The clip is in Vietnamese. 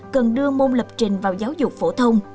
cần đưa môn lập trình vào giáo dục phổ thông